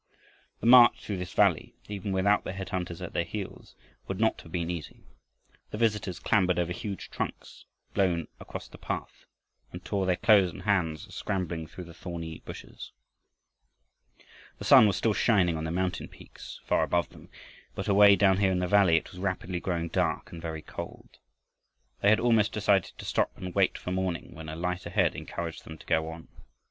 The march through this valley, even without the head hunters at their heels, would not have been easy. The visitors clambered over huge trunks blown across the path, and tore their clothes and hands scrambling through the thorny bushes. The sun was still shining on the mountain peaks far above them, but away down here in the valley it was rapidly growing dark and very cold. They had almost decided to stop and wait for morning when a light ahead encouraged them to go on.